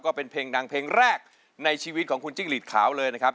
ก็เป็นเพลงดังเพลงแรกในชีวิตของคุณจิ้งหลีดขาวเลยนะครับ